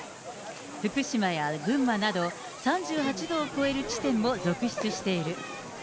福島や群馬など、３８度を超える地点も続出している。